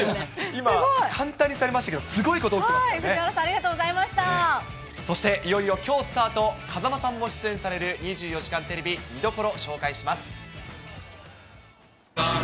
今、簡単にされましたけど、藤原さん、ありがとうございそして、いよいよきょうＳＴＡＲＴ、風間さんも出演される２４時間テレビ、見どころ、紹介します。